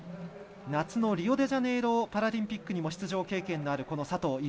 夏のリオデジャネイロパラリンピックにも出場経験のある佐藤。